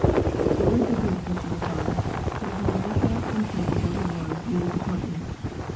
"Your words are beautiful," she replied. "But if American and Turkey go to war you will deport me."